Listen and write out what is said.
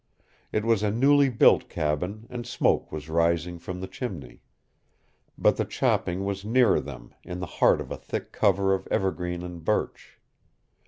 It was a newly built cabin, and smoke was rising from the chimney. But the chopping was nearer them, in the heart of a thick cover of evergreen and birch.